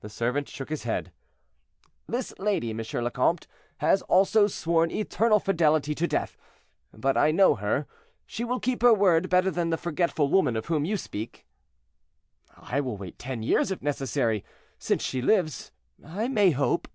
The servant shook his head. "This lady, M. le Comte, has also sworn eternal fidelity to death; but I know her, and she will keep her word better than the forgetful woman of whom you speak." "I will wait ten years, if necessary; since she lives, I may hope."